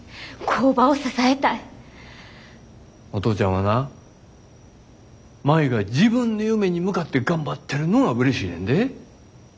はな舞が自分の夢に向かって頑張ってるのがうれしいねんで。